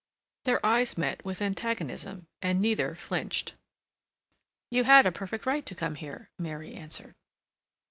Their eyes met with antagonism, and neither flinched. "You had a perfect right to come here," Mary answered.